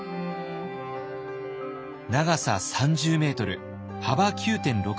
長さ３０ｍ幅９．６ｍ。